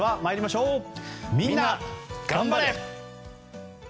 みんながん晴れ！